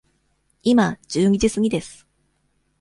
今十二時すぎです。